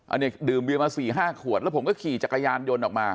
อันนี้ดื่มเบียมา๔๕ขวดแล้วผมก็ขี่จักรยานยนต์ออกมา